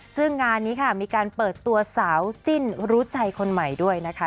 ซึ่งงานนี้ค่ะมีการเปิดตัวสาวจิ้นรู้ใจคนใหม่ด้วยนะคะ